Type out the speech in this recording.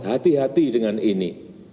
hati hati dengan ini